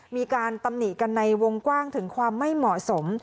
มีการตำหนิกันในวงกว้างถึงความไม่เหมาะสม